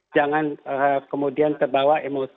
jangan kemudian ternyata ternyata